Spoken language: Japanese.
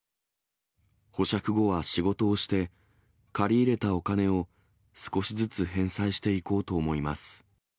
保釈後は仕事をして、借り入れたお金を少しずつ返済していこうと思います。